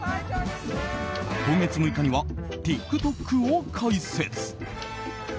今月６日にはＴｉｋＴｏｋを開設。